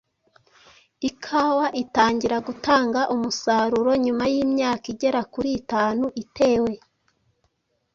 Ikawa itangira gutanga umusaruro nyuma y’imyaka igera kuri itanu itewe;